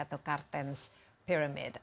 atau kartens pyramid